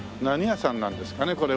何屋さんなんですかね？